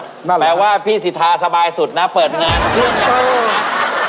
นั่นแหละครับแปลว่าพี่สิทาสบายสุดนะเพิ่มงานเครื่องอย่างนั้น